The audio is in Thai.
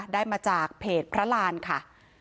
ได้มาจากเพจพระรานค่ะ